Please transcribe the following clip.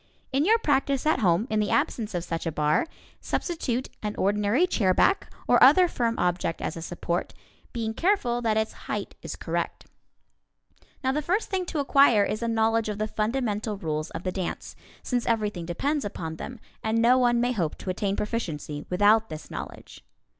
In your practice at home, in the absence of such a bar, substitute an ordinary chairback or other firm object as a support, being careful that its height is correct. Now the first thing to acquire is a knowledge of the fundamental rules of the dance, since everything depends upon them, and no one may hope to attain proficiency without this knowledge.